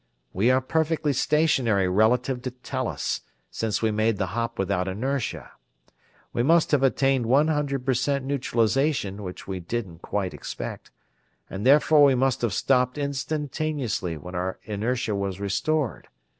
"We are perfectly stationary relative to Tellus, since we made the hop without inertia. We must have attained one hundred percent neutralization, which we didn't quite expect, and therefore we must have stopped instantaneously when our inertia was restored.